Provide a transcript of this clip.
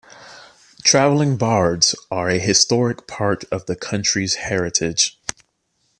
Travelling bards are a historic part of the country's heritage.